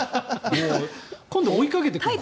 今度追いかけてくれるんだ。